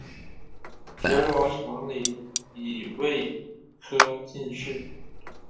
觉罗长麟乙未科进士。